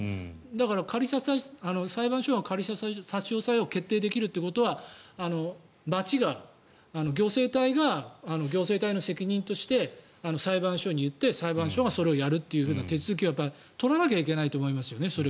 だから、裁判所が仮差し押さえを決定できるってことは町が行政体が行政体の責任として裁判所に言って、裁判所がそれをやるという手続きを取らなきゃいけないと思いますね。